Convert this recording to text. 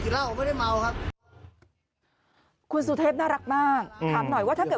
แล้วแกเป็นแค่ธุดป่วยมาดูแล้ว